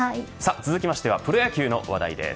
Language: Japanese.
続きましてはプロ野球の話題です。